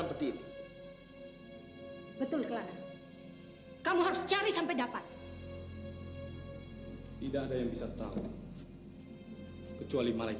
aku tidak sayang sama allah